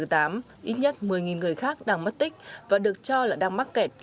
ít nhất một mươi người khác đang mất tích và được cho là đang mắc kẹt